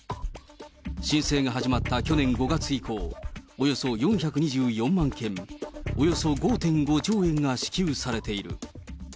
申請が始まった去年５月以降、およそ４２４万件、およそ５．５兆円が支給されている。